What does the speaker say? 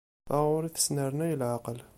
Taɣuri tesnernay leɛqel.